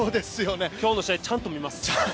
今日の試合、ちゃんと見ます。